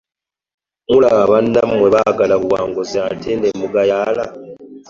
Mulaba bannammwe baagala buwanguzi ate ne mugayaala?